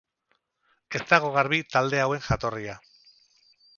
Ez dago garbi talde hauen jatorria.